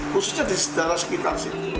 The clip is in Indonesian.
khususnya di daerah sekitar